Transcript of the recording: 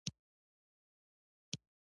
د هدیرې نوې قبرونه ښخ شوي وو.